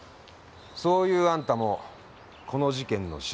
そういうあんたもこの事件の取材ですかな？